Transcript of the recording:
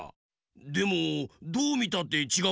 でもどうみたってちがうよな。